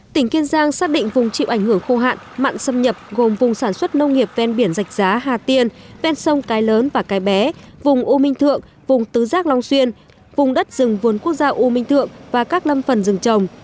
tỉnh kiên giang xác định vùng chịu ảnh hưởng khô hạn mặn xâm nhập gồm vùng sản xuất nông nghiệp ven biển dạch giá hà tiên ven sông cái lớn và cái bé vùng u minh thượng vùng tứ giác long xuyên vùng đất rừng vườn quốc gia u minh thượng và các lâm phần rừng trồng